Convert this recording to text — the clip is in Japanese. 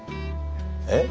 えっ？